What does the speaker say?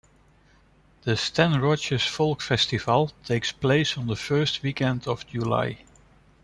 The Stan Rogers Folk Festival takes place on the first weekend of July.